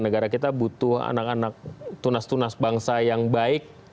negara kita butuh anak anak tunas tunas bangsa yang baik